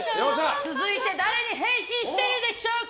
続いて誰に変身しているでしょうか？